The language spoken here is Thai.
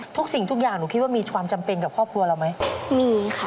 ทุกสิ่งทุกอย่างหนูคิดว่ามีความจำเป็นกับครอบครัวเราไหมมีค่ะ